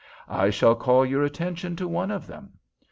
I shall call your attention to one of them.